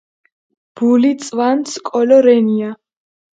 ბული წვანც კოლო რენია